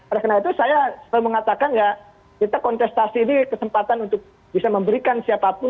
oleh karena itu saya selalu mengatakan ya kita kontestasi ini kesempatan untuk bisa memberikan siapapun